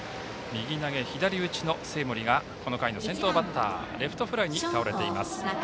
右投げ左打ちの生盛がこの回の先頭バッターレフトフライに倒れています。